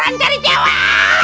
tuhan cari cewek